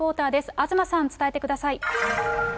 東さん、伝えてください。